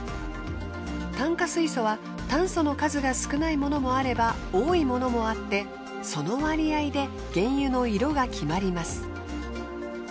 炭化水素は炭素の数が少ないものもあれば多いものもあってその割合で原油の色が決まります。